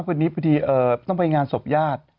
วันนี้พอดีต้องไปงานศพญาติ